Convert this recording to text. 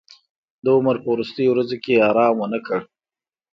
د عمر په وروستیو ورځو کې ارام ونه کړ.